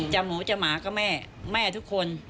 หมูจะหมาก็แม่แม่ทุกคน